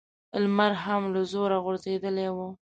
لمر هم له زوره غورځېدلی و.